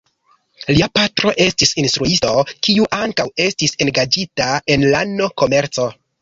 Lia patro estis instruisto, kiu ankaŭ estis engaĝita en lano-komerco.